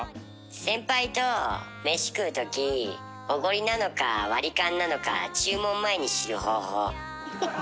先輩と飯食うときおごりなのか割り勘なのか注文前に知る方法。